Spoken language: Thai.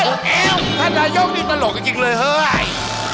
โอ้โหท่านนายกนี่ตลกจริงเลยเฮ้ย